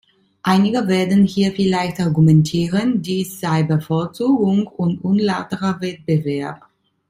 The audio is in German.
Einige werden hier vielleicht argumentieren, dies sei Bevorzugung und unlauterer Wettbewerb.